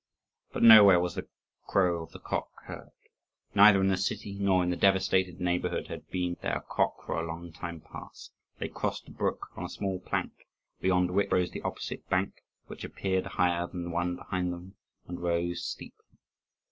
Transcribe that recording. But nowhere was the crow of the cock heard. Neither in the city nor in the devastated neighbourhood had there been a cock for a long time past. They crossed the brook on a small plank, beyond which rose the opposite bank, which appeared higher than the one behind them and rose steeply.